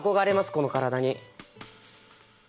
この体に。